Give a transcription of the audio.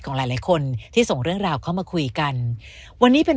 หลายหลายคนที่ส่งเรื่องราวเข้ามาคุยกันวันนี้เป็น